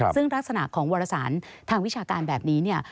ซึ่งลักษณะของวรสารทางวิชาการแบบนี้เนี่ย